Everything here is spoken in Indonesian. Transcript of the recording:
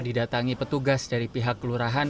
didatangi petugas dari pihak kelurahan